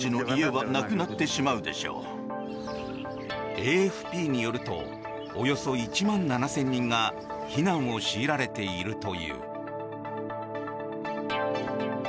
ＡＦＰによるとおよそ１万７０００人が避難を強いられているという。